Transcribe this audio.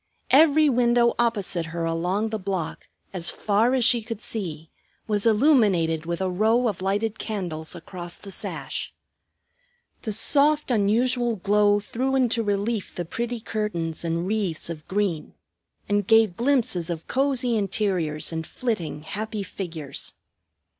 Every window opposite her along the block, as far as she could see, was illuminated with a row of lighted candles across the sash. The soft, unusual glow threw into relief the pretty curtains and wreaths of green, and gave glimpses of cosy interiors and flitting happy figures.